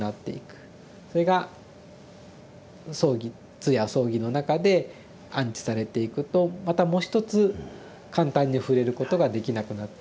それが葬儀通夜葬儀の中で安置されていくとまたもう一つ簡単に触れることができなくなっていく。